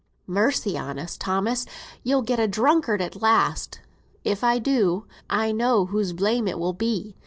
"Mercy on us, Thomas; you'll get a drunkard at last!" "If I do, I know whose blame it will be.